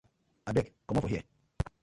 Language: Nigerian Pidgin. Abeg comot for here.